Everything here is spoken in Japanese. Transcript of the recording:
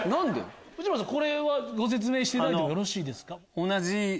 内村さんご説明していただいてもよろしいですか？